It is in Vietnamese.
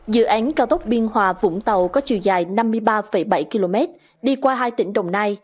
dự án cao tốc biên hòa vũng tàu có chiều dài năm mươi ba bảy km đi qua hai tỉnh đồng nai